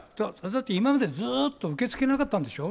だって今まで受け付けなかったんでしょ。